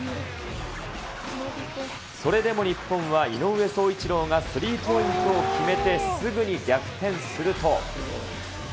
それでも日本は井上宗一郎がスリーポイントを決めて、すぐに逆転すると。